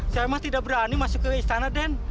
saya memang tidak berani masuk ke istana den